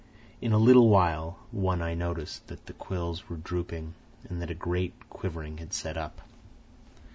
In a little while, One Eye noticed that the quills were drooping and that a great quivering had set up.